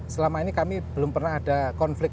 selama ini kami belum pernah ada konflik